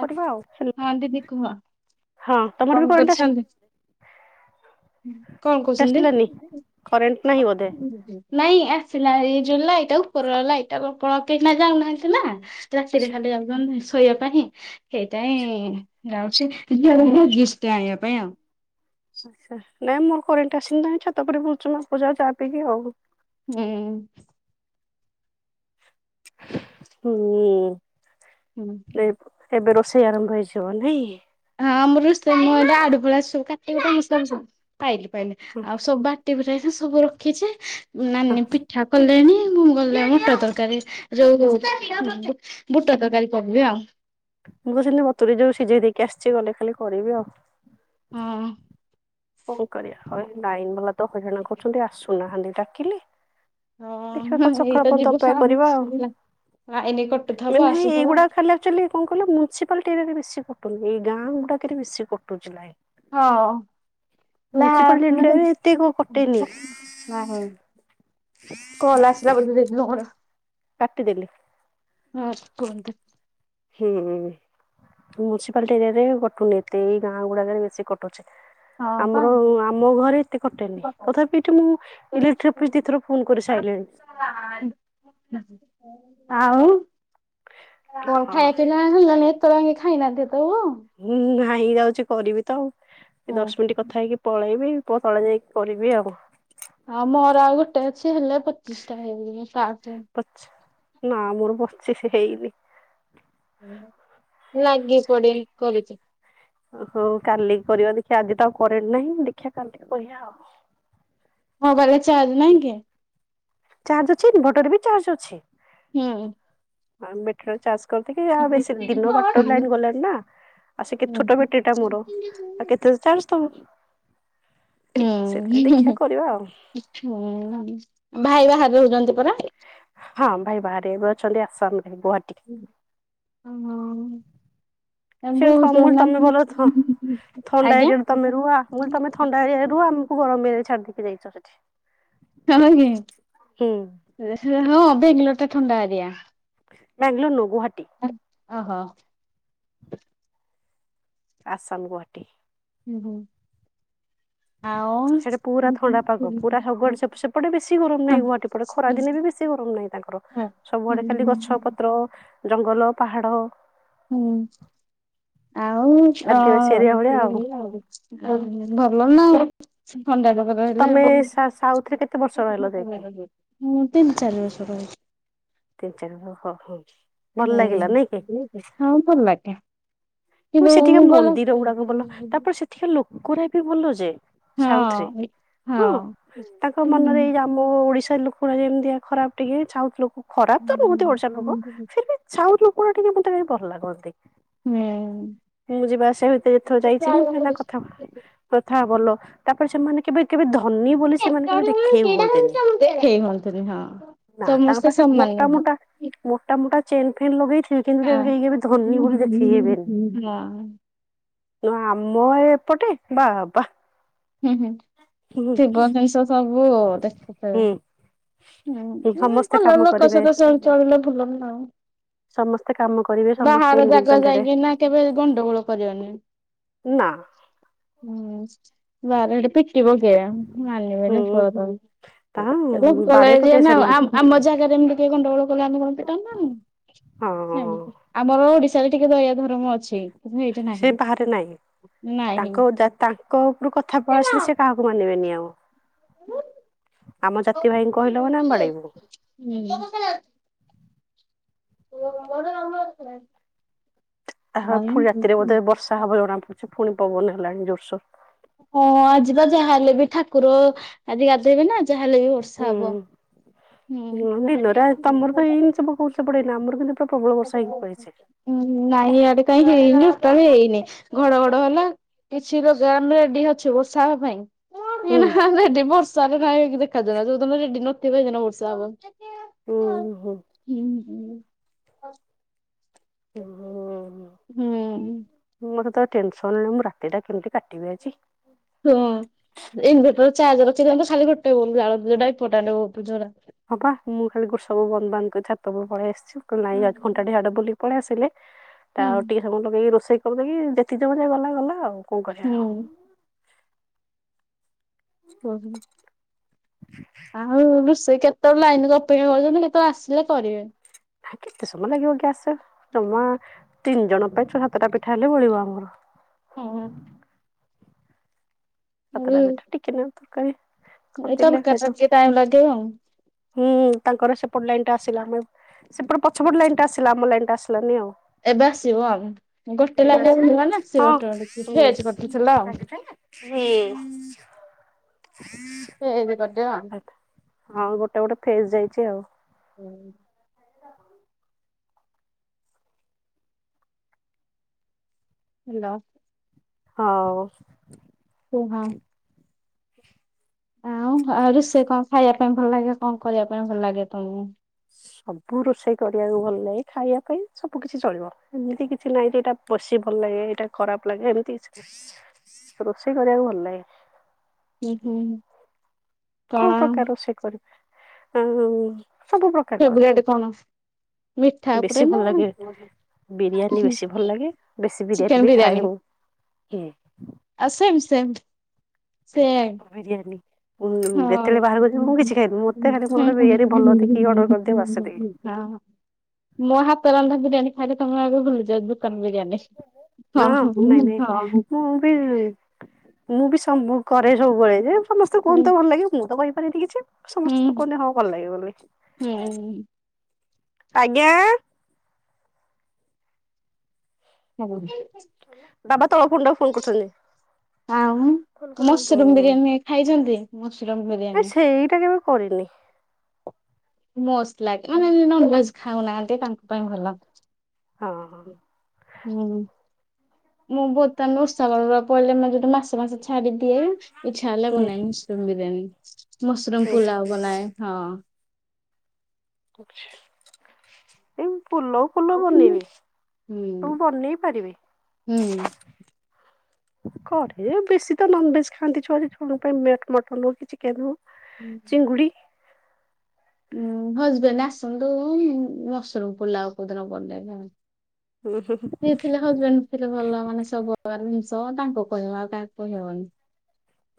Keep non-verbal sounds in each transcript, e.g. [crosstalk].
କରିବା ଆଉ। ହଁ ଦିଦି କୁହ ହଁ ତମର ବି କଣ କରେଣ୍ଟ କରୁଛନ୍ତି? ଆସିଲାନି କଣ କରେଣ୍ଟ କହୁଛନ୍ତି ଆସିଲାନି କରେଣ୍ଟ ନାହିଁ ବୋଧେ? ନାଇଁ ଏ ଥିଲା ଏ ଯୋଉ ଲାଇଟ୍ ଟା ଉପର ଲାଇଟ୍ ଟା କ ପ କେହି ନା ଯାଉ ନାହାନ୍ତି ନା ରାତିରେ ଆଛା ଖାଲି ଯାଉଚନ୍ତି ଶୋଇବା ପାଇଁ ସେତିପାଇଁ ଯାଉଚି ଝିଅର ହଗିସ୍ ଟେ ଆଣିବା ପାଇଁ ଆଉ। ଆଛା ନାଇଁ ମୋର କରେଣ୍ଟ ଆସି ନାଁ ଛାତ ଉପରେ ବୁଲୁଚୁ ମା ପୁଅ ଯାକ ଚା ପିଇକି ଆଉ। ହୁଁ। ହୁଁ ହୁଁ ହଁ ଏବ ଏବେ ରୋ ସେଇ ଆରମ୍ଭ ହୋଇଯିବ ନାଇଁ ହଁ ଆମର ରୋଷେଇ ମୁଁ ଏନା ଆଳୁ ପୁଳା ସବୁ କାଟିକୁଟା ମସଲା ବି ସବୁ ପାଇଲି ପାଇଲେ ହଁ ଆଉ ସବୁ ବାଟି ବୁଟା କିନା ସବୁ ରଖିଛି ହଁ ନାନୀ ପିଠା କଲେଣି ମୁଁ ଗଲେ ବୁଟ ତରକାରୀ ଯୋଉ ବୁ ବୁଟ ତରକାରୀ କରିବି ଆଉ ମୁଁ ପା ସେନ୍ତି ବତୁରେ ଯୋଉ ସିଝେଇ ଦେଇକି ଆସିଛି ଗଲେ ଖାଲି କରିବି ଆଉ ହଁ। କଣ କରିବା ହ ଲାଇନ ବାଲା ତ ହଇରାଣ କରୁଚନ୍ତି ଆସୁନାହାନ୍ତି ଡାକିଲେ ଦେଖିବା ହଁ କାଲି ସକାଳ ଏଇତ ପର୍ଯ୍ୟନ୍ତ ଯିବୁ ସା- ଅପେକ୍ଷା କରିବା ଆଇନି ଆଉ କଟୁଥବ ନାଇଁ ଆସୁଥବ। ଏଇଗୁଡା ଖାଇଲେ ଆକ୍ଚୁଆଲି କଣ କହିଲ ମୁଁ ଛିପ ପଲଟି ଏରିଆରେ ବେଶୀ କଟୁନି ଏଇ ଗାଁ ଗୁଡାକରେ ବେଶୀ କଟୁଚି ଲାଇନ୍। ହଁ। ଏରିଆରେ [unintelligible] ଏତେ କଟେନି ନାହିଁ କଲ୍ ଆସିଲା ବୋଧେ ଦିଦି ତମର? କାଟିଦେଲି ଫାଷ୍ଟ କୁହନ୍ତୁ ହୁଁ ମୁୁନିସିପାଲିଟି ଏରିଆରେ କଟୁନି ଏତେ ଏଇ ଗାଁ ଗୁଡାକରେ ବେଶୀ କଟୁଛି। ହଁ ପା। ଆମର ଆମ ଘରେ ଏତେ କଟେନି ତଥାପି ଏଠି ମୁଁ ଇଲେକ୍ଟ୍ରି ଅଫିସ୍ ଦି ଥର ଫୋନ କରି ସାରିଲିଣି ଆଉ କଣ ଖାଇବା ପିନା ହେଲାଣି ଏତବଳ ଆଙ୍କେ ଖାଇନାନ୍ତି ଦେ ହୁଁ ନାଇଁ ଯାଉଛି କରିବି ତ ଆଉ ହୁଁ। ଦଶ ମିନିଟ୍ କଥା ହେଇକି ପଳେଇବି ପ ତଳେ ଯାଇକି କରିବି ଆଉ ଆଉ ମୋର ଆଉ ଗୋଟେ ଅଛି ହେଲେ ପଚିଶ ଟା ହେଇଯିବ ପଛ [unintelligible] ନା ମୋର ପଚିଶି ହେଇନି ଲାଗି ପଡ଼ି କରିଚି ହଉ କାଲି କରିବା ଦେଖିବା ଆଜି ତ ଆଉ କରେଣ୍ଟେ ନାହିଁ ଦେଖିବା କାଲି କହିବା ଆଉ ମୋବାଇଲ ଚାର୍ଜ ନାହିଁ କି? ଚାର୍ଜ ଅଛି ଇନଭର୍ଟରରେ ବି ଚାର୍ଜ ଅଛି। ହୁଁ। ହଁ ବେଟୀରି ଟା ଚାର୍ଜ କରିଦେଇକି ଆଉ ବେଶୀ ହୁଁ ଦିନ ବାରଟାରୁ ଲାଇନ୍ ହୁଁ। ଗଲାଣି ନା ଆ ସେ କେତେ ଛୋଟ ବେଟିରୀ ଟା ମୋର ଆଉ କେତେ ଚାର୍ଜ ଦବ ହୁଁ। ସେଥିପାଇଁ ହୁଁ, ଦେଖିଆ କରିବା ଆଉ। ହୁଁ, ହୁଁ ।ଭାଇ ବାହାରେ ରହୁଛନ୍ତି ପରା? ହଁ ଭାଇ ବାହାରେ ଏବେ ଅଛନ୍ତି। ଆସାମ ରେ ଗୌହାଟୀ। ହ। ସେଠୁ ମୁଲ ତମେ ବୋଲ ଥଣ୍ଡା ଆଜ୍ଞା। ହେରି ତମେ ରୁଆ ମୁଲ ତମେ ଥଣ୍ଡା ରୁଆ [inaudible] ଗରମ ଏରିଆ ରେ ଛାଡି ଦେଇି ଯାଇଛ ସେଠି । ହଁ ବେଙ୍ଗାଲୋର ଟା ଥଣ୍ଡା ଏରିିଆ ବାଙ୍ଗାଲୋର ନୁହଁ ଗୁହା ଅ ହୋ ଆସାମ ଗୁହାଟି । ହୁଁ ହୁଁ । କିଛି ଶୁବୁନାହଁ ସେଟା ପୁରା ଥଣ୍ଡା ପାଗ। ପୁରା ସବୁ ଆଡେ ସେପଟେ, ବେଶୀ ଗରମ ନାହିଁ ।ଗୁହାଟୀ ପଟେ ଖରା ଦିନେ ବି ବେଶୀ ଗରମ। ରୁମ୍ ନାହିଁ ତାଙ୍କର। ସବୁଆଡେ ଖାଲି ଗଛ, ହୁଁ ପତ୍ର, ଜଙ୍ଗଲ ପାହାଡ ହୁଁ। ଆଉ, ଆଦିବାସୀ ଏରିଆ ଭଳିଆ ଆଉ। ଅ--ଭଲ ନା ଆଉ। ଥଣ୍ଡା ରୋଗ ଧାଇଲା ତମେ ଆଉ। ସା ସାଉଥରେ କେତେ ବର୍ଷ ରହିଲ ଯାଇକି? ତିନି ଚାରି ବର୍ଷ ସର ସେ ଚ ହଁ ହ [inaudible] ହୁଁ, ହଁ ଦେଖା ହେଲେ ଭଲ ଲାଗେ। ମୁଁ କିନ୍ତୁ ସେଠିକା ଗଲେ ମନ୍ଦିର ଗୁଡାକ ଭଲ। ତାପରେ ସେଠିକା ଲୋକରା ବି ଭଲ ଯେ। ସାଉଥ ରେ ହଁ ।ହଁ ହୁଁ। ତାଙ୍କ ମନରେ ଏଇ ଆମ ଓଡିଶା ଲୋକା ଯେମିତିଆ ଖରାପ ଟିକେ ସାଉଥ, ଲୋକ ଖରାପ ତ ନୁହତି ଓଡିଶା ର ଲୋକ, ଫିର ବି ସାଉଥ ଲୋ ଲୋକ ଟିକେ ମୋତେ ଭଲ ଲାଗନ୍ତି। ମୁଁ ଯିବା ଆସିବା ଭିତରେ ଯେତେଥର ଯାଇଛି ମୁଁ, କାହ୍ନା କଥା, କଥା ଭଲ । ତାପରେ ସେମାନେ କେବେ, କେବେ ଧ ଧନୀ ବୋଲି ସେମାନେ କେବେ ଦେଖେଇ ହୁଅନ୍ତିନି। କେହି ହୁଅନ୍ତିନି ହଁ। ନା ତାଙ୍କ ସମସ୍ତେ ପାଖେ ସମାନ ମୋଟା, ନୁହେଁ ମୋଟା, ମୋଟା, ମୋଟା ଚେନ୍ ଫେନ୍ ଲଗେଇ ଥି କିନ୍ତୁ କେବେ, କେବେ କେହି ଧନୀ ହେବେ ବୋଲି ଦେଖେଇ ହେବେନି ନା। ନା ଆମ ଏପଟେ, ବାଃ ବାଃ ହୁଁ, ହୁଁ ।ଥିବ ଜିନିଷ ସବୁ ଦେଖୁଥିବେ। ହୁଁ ହୁଁ ସମସ୍ତେ ଭଲ କାମ ଲୋକ। କରିବେ। ସମସ୍ତଙ୍କ ସହ ଚଳିଲେ ଭଲ ନା। ସମସ୍ତେ କାମ କରିବେ ସମସ୍ତେ ବାହାରେ ଯାଗା ଇଣ୍ଡିପେଣ୍ଡେଡ ଯାଇକିନା କେବେ ଗଣ୍ଡଗୋଳ କରିବାନି, ନା ହୁଁ ବାର ହେଟି ିବକଁ ଆିବ ହୁଁ। ପ ତା [inaudible] ବାଡେଇ ପକେଇବେ ର ସେମାନେ ଆମ ଜାଗାରେ ଏମତି କେ ବଳ [unintelligible] ଗ ଆମେ ହଁ ସେ ଆମର ଓଡିଶାରେ ଟିକେ ଦୟା ଧର୍ମ ଅଛି। [inaudible] ସେ ନାହିଁ ବାହାରେ ନାହିଁ ନାହିଁ। ।ତାଙ୍କ, ତାଙ୍କ ଉପରୁ କଥା କଥା ପଳିଆସିଲେ, ସେ କାହାକୁ ମାନିବେନି ଆଉ ହଁ [inaudible] ଆମ ଜାତି ଭାଇଙ୍କୁ କହିଲ ମାନେ ଆମେ ବାଡେଇବୁ। ଓ ମଉସା ନମ ନମସ୍କାର୍ । ଆ ହ, ପୁଣି ରାତିରେ ବୋଧେ ବର୍ଷା ହବ ଜଣା ପଡୁଛି ।ପୁଣି ପବନ ହେଲାଣି ଜୋର ସୋର ହଁ, ଆଜି ବା ଯାହାହେଲେ ବି ଠାକୁର ଆଜି ଗାଧେଇବେନା? ଯାହାହେଲେ ବି ବର୍ଷା ହବ ହୁଁ। ହଁିଲୋରେ ତ ମୃର୍ଗ ଇନ ସବ ଉର୍ଷ ପଡ ନା ଆ ମୃଗ [unintelligible] ନାଁଇ ଇଆଡେ କାଇ ହେଇନି ଟୋଟାଲି ହେଇନି। ଘଡ, ଘଡ ହେଲା କିଛି ଲ ଗାମ ରେଡି ଅଛ ବର୍ଷା ହେବା ପାଇଁ ହୁଁ ଏଇ ରେଡି ବର୍ଷାରେ ନ କି ଦେଖାାଯନା ଯଉଦିନ ରେଡି ନି ପଇ ନା ବର୍ଷାବ [inaudible] ହୁଁ ହୁଁ। ଅଫ । ଉ ହୁଁ। ହୁଁ। ଟେନସନରେ ମୁଁ ରାତିଟା କେମିତି କାଟିବି ଆଜି। ହଁ ଇନଭର୍ଟର ଚାର୍ଜ ରଖିଥାନ୍ତୁ ଖାଲି ଗୋଟେ ବେଳୁ ଯାଳନ୍ତୁ, ଯଉଟା ଇମ୍ପୋର୍ଟାଣ୍ଟ ଭଉତୁ ଯୋଉଟା । ହଁ ବା ମୁଁ ଖାଲି ଗୋ ସବୁ ବନ୍ଦ ବାନ୍ଦ କ ଛାତ ଉପରକୁ ପଳେଇ ଆସିଛୁ। ହୁଁ ନାଇଁ ଘଣ୍ଟା ଇଆଡେ ବୁଲିକି ପଳେଇ ଆସିଲେ ତା ଆଉ ଟିକେ ସମୟ ଲଗେଇକି ରୋଷେଇ କରିଦେଇକି। ଯେତିକ ସ ଯାଏ ଗଲା ଗଲା ଆଉ। କଣ କରିବା। ହୁଁ ହୁ ହୁ। ଆଉ ରୋଷେଇ କେତେବେଳେ ଲାଇନ ଗପେଇ ହଉନି କେତେବେଳେ ଆସିଲେ କରିବେ। କେତେ ସମୟ ଲାଗିବ ଗ୍ୟାସ ଜମା ତିନି ଜଣ ପାଇଁ ଛ ସାତଟା ପିଠା ହେଲେ ବଳିବ ଆମର। ହୁଁ। ସାତଟା ପିଠା ଟିକେ ନାଗୁ ତରକାରି। ଏଇ କରିଦେଲେ ତରକାରୀ ଟା ଖାଇଦଉ ଟିକେ ଟାଇମ ଲାଗିବ ଆଉ। ହୁଁ ତାଙ୍କର ସ ପଟ ଲାଇନ ଟା ଆସିଲା ଆମ ସେପଟ ପଛପଟ ଲାଇନ ଟା ଆସିଲା ।ଆମ ଲାଇନ ଟା ଆସିଲାନି ଆଉ। ଏବେ ଆସିବ ଆଉ। ଗୋଟେ ଏଇନା ଲାଇନ୍ ଆସିଲା ଆସିବ ନା ଆସିବ ହଁ ଅଟୋମେଟିକ୍ ଫେଜ୍ କଟିଥିଲା ଆଉ ସାଙ୍ଗେସାଙ୍ଗେ। ହୁଁ। ଫେଜ୍ କଟିବ। ହଁ ଗୋଟେ ଗୋଟେ ଫେଜ୍ ଯାଇଚି ଆଉ। ହୁଁ। [inaudible] ହଲୋ। ହଉ। ଓ ହଁ। ଆଉ ଆଉ ରୋଷେଇ କଣ ଖାଇବା ପାଇଁ ଭଲ ଲାଗେ। କଣ କରିବା ପାଇଁ ଭଲ ଲାଗେ ତମକୁ। ସବୁ ରୋଷେଇ କରିବାକୁ ଭଲ ଲାଗେ। ଖାଇବା ପାଇଁ ସବୁ କିଛି ଚଳିବ। ଏମିତି କିଛି ନାହିଁ ଯେ ଏଇଟା ପୋଶିବ ଭଲ ଲାଗେ ଏଇଟା ଖରାପ ଲାଗେ। ଏମିତି ରୋଷେଇ କରିବାକୁ ଭଲ ଲାଗେ। ହୁ ହୁ । ସବୁ ପ୍ରକାର ରୋଷେଇ କରିବ ଆଉ। ସବୁ ପ୍ରକାର କରେ। ଫେବ୍ରେଟ୍ କଣ ମିଠା ବେଶୀ ଉପରେ ଭଲ ନା ଲାଗେ ବିରିୟାନୀ ବେଶି ଭଲ ଲାଗେ ।ବେଶି ବିରିୟାନୀ ବି ଖାଏ ମୁଁ। ଆ ସେମ୍ ସେମ୍। ସେମ୍ ବିରିୟାନୀ। ଉଁ ହଁ। ଯେତେବେଳେ ବାହାରକୁ ଯିବି ମୁଁ କିଛି ଖାଇବିନି। ମୋତେ ଖାଲି ମୋର ହଁ। ଗୋଟେ ବିରିଆନି ଭଲ ଦେଖିକି ଅର୍ଡର କରିଦିଅ ବାସ୍ ସେତିକି। ମୋ ହାତ ରନ୍ଧା ବିରିୟାନୀ ଖାଇଲେ ତମ ଆଗ ଭୁଲି ଯିବ। ଟନ୍ ବିରିୟାନୀ ହଁ ହଁ ନାଇଁ ନାଇଁ ହୁଁ। ମୁଁ ବି ସମ ମୁଁ କରେ ସବୁବେଳେ ଯେ। ସମସ୍ତେ ହୁଁ କୁହନ୍ତୁ ତ ଭଲ ଲାଗେ ।ମୁଁ ତ କହିପାରିନି କିଛି ସମସ୍ତେ ହୁଁ ତ କୁହନ୍ତି ହଁ ଭଲ ଲାଗେ ବୋଲି। ହୁଁ। ଆଜ୍ଞା। [inaudible] ବାବା ତଳ ଫୋନ୍ ଟାକୁ ଫୋନ କରୁଚନ୍ତି। ଆଉ ଫୋନ୍ କରନ୍ତୁ, ମସରୁମ ହୁଁ ବିରିୟାନୀ ଖାଇଛନ୍ତି ମସରୁମ ନା ବିରିୟାନୀ ସେଇଟା କେବେ କରିିନି। ମସ୍ତ ଲାଗେ। ମାନେ ନେ ନନଭେଜ ଖାଉନାହାନ୍ତି ତାଙ୍କ ପାଇଁ ଭଲ। ହଁ ହଁ। ହୁଁ। ମୁଁ ବର୍ତ୍ତମାନ ଓଷାବାର ଉରା ପଡିଲେ ।ମୁଁ ଗୋଟେ ମାସ ମାସ ଛାଡିଦିଏ। ଏଇ ଛାଡିଲ ହୁଁ ବନାଏ ମସରୁମ ବିରିୟାନୀ ।ମସରୁମ ହୁଁ ପୁଲାଉ ବନାଏ ହଁ। [inaudible] ପୁଲଉ ଫୁଲଉ ହୁଁ ବନେଇନି ହୁଁ ତ ମୁ ବନେଇ ପାରିବି। [inaudible] ଘରେ ବେଶୀ ତ ନନଭେଜ ଖାଆନ୍ତି ଛୁଆଟୁ ଛୋଟ ପାଇଁ ମଟନ୍ ହଉ କି ଚିକେନ ହଉ । ଚିଙ୍ଗୁଡି। ହଁ ହଜବେଣ୍ଡ ଆସନ୍ତୁ-ଉ-ଉ ମସୁରମ ପୋଲାଉ କୋଉଦିନ ବନେଇବେ। ଉଁ ସିଏ ଥିଲେ ହଜବେଣ୍ଡ ଥିଲେ ଭଲ ମାନେ ସବୁ [unintelligible] ସହ ତାଙ୍କ କହିବା ଆଉ କାହାକୁ କହି ହେବନି।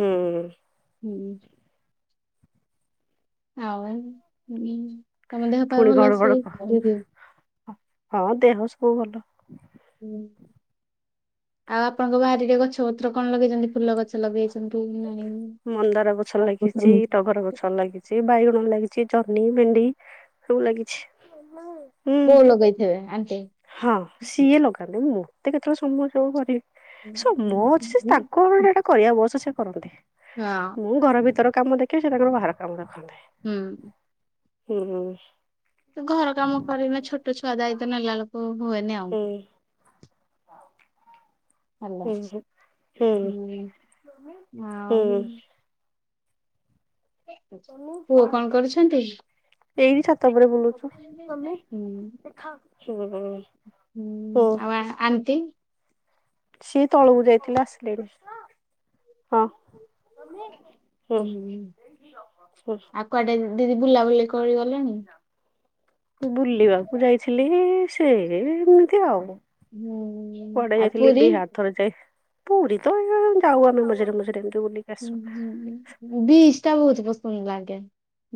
ହୁଁ। ହୁଁ। ଆଉ ଉ ତମ ଦେହ ପାଆ ପୁଣି ଭଲ ଘଡ ଘଡ ଅଛି କ ଦିଦି। ହଁ ଦେହ ସଵୁ ଭଲ। ହୁଁ। ଆଉ ଆପଣଙ୍କ ବାରିରେ ଗଛ ପତ୍ର କଣ ଲଗେଇଛନ୍ତି ଫୁଲ ଗଛ ଲଗେଇଛନ୍ତି ନା ମନ୍ଦାର ଗଛ ଲାଗିଛି, ନାଇଁ? ଟଗର ଗଛ ଲାଗିଛି, ବାଇଗଣ ଲାଗିଛି ଜହ୍ନି, ଭେଣ୍ଡି, ସବୁ ଲାଗିଛି । ହୁଁ ବୋଉ ଲଗେଇଥିବେ ଆଣ୍ଟି? ହଁ, ସିଏ ଲଗାନ୍ତେ ମୁଁ ଏତେ କେତେବେଳେ ସମୟ ସବୁ କରିବି ହଁ ସମୟ ଅଛି ସେ ତାଙ୍କ ଏଟା କରିବା ବୟସ ସେ କରନ୍ତି। ମୁଁ ଘର ଭିତର କାମ ଦେଖେ ସେ ତାଙ୍କର ବାହାର କାମ ଦେଖନ୍ତି । ହୁଁ। ହୁଁ ହୁଁ । ତ ଘର ଓହୋ! ଏନି ଆଉ ହୁଁ ହେଲା ହୁଁ ହୁଁ ହୁଁ ଆଉ ପୁଅ କଣ କରୁଛନ୍ତି? ଏଇଠି ଛାତ ପରେ ବୁଲୁଛୁ। ହୁଁ [unintelligible] ହୁଁ, ଆଉ ଆ ଆଣ୍ଟି । ସିଏ ତଳକୁ ଯାଇଥିଲେ ଆସିଲେଣି। ହଁ ହ ହୁଁ, ହ। ଆଉ କୁଆଡେ ଦିଦି ବୁଲାବୁଲି କରି ଗଲେଣି? ବୁଲିବା ମୁଁ ଯାଇଥିଲି ସେ-ଏ-ଏ-ଏ ଏମିତି ଆଉ । ହୁଁ ପଡେ ଆଉ ଯାଇଥିଲି ବିହାର ଥରେ ଯାଇ, ପୁରୀ ତ [unintelligible] ଯାଉ ଆମେ ମଝିରେ ମଝିରେ ଏମିତି ବୁଲିକି ଆସୁ। ପୁଣି ଲାଗେ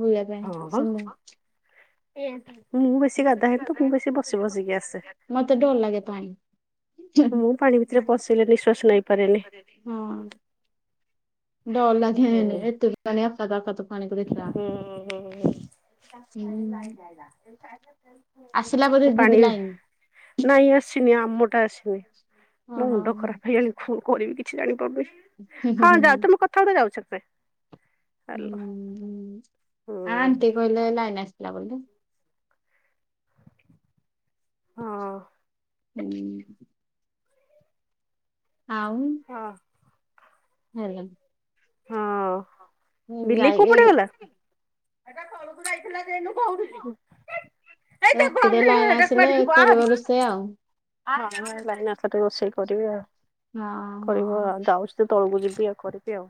ବୁଲିବା ପାଇଁ ହଁ ସମୟ। ମୁଁ ବେଶୀ ଗାଧା ହେଇନି ତ ମୁଁ ବେଶୀ ବସି ବସିକି ଆସେ । ମତେ ଡର ଲାଗେ ପାଣି ମୁଁ ପାଣି ଭିତରେ ପଶିଲେ ନିଃଶ୍ଵାସ ନେଇପାରେନି ହଁ। । [unintelligible] ହୁଁ ହୁଁ। ହୁଁ। ଆସିଲା ବୋଧେ ଦିଦି ପାଣି ଲାଇନ୍ ନାଇଁ ଆସିନି ଆମଟା ଆସିନି । ମୋ ଓହୋ ମୁଣ୍ଡ ହୁଁ ଖରାପ ହେଇଗଲାଣି କଣ କରିବି କିଛି ଜାଣିପାରୁନି? ହୁଁ ହଁ, ହୁଁ ଯାଉଛ ମଁ କଥା ହଉଛ ଯାଉଛି। ସେ ହାଲୋ ହୁଁ-ଉ-ଉ-ଉ-ଉ-ଉ, ହୁଁ ଆଣ୍ଟି କହିଲେ ଲାଇନ ଆସିଲା ବୋଲି । ହଁ। ହୁଁ। ଆଉ ହଁ। [unintelligible] ହଁ ବିଲେଇ ଯାଇ କୋଉ ଏ ପଟେ ଗଲା? ଏଟା ଘରକୁ ଯାଇଥିଲା ଯେ ଏନୁ କହୁଥିଲି [unintelligible] ରାତିରେ ଲାଇନ୍ ଆସିଲେ ଏ କରିବ ରୋଷେୟା। ହ ଲାଇନାସ ଟେ ରୋଷେଇ କରିବି ଆଉ ହଁ କରିବ ଆଉ ଯାଉଛି ତ ତଳକୁ ଯିବି ଆଉ। କରିବି ଆଉ।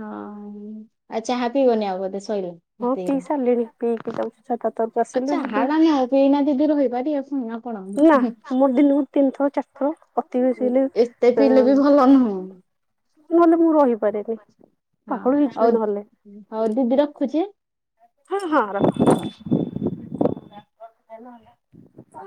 ହଁ-ଅ-ଅ-ଅ ଆଚ୍ଛା ହାପିିବନ ଆଉ ବଧେ ସେ। ହଁ ପିଇ ସାରିଲିଣି ପିଇକି [unintelligible] ଯାଉଛି ଛାତ ତଳକୁ ଆସିଲେ ଆଚଛା ଯିବି। ହାଡ ନ ଆଉ ଏଇନା ଦିଦି ରଇପାରିବା ପୁଣି। ଆପଣ ନା ମୋର ଦିନକୁ ତିନିଥର ଚାରିଥର ଅତି ବେଶୀ ହେଲେ ଏତେ ପିଇଲେ ଅଁ ବି ଭଲ ନୁହଁ। ନହେଲେ ମୁଁ ରହିପାରେନି ହଁ ପାଗଳ ହଉ ହେଇଯିବି ନହେଲେ। ହଉ ଦିଦି ରଖୁଛି। ହଁ ହଁ ରହ। ହାଲୋ।